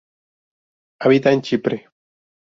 Habita en Chipre.